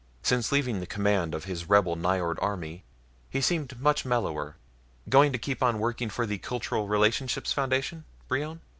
Since leaving command of his rebel Nyjord army he seemed much mellower. "Going to keep on working for the Cultural Relationships Foundation, Brion?"